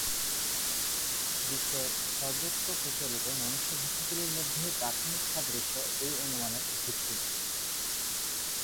বিশ্বের সর্বত্র প্রচলিত মনুষ্য ভাষাগুলির মধ্যে গাঠনিক সাদৃশ্য এই অনুমানের ভিত্তি।